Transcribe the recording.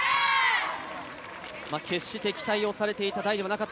決して期待をされていた代ではなかった。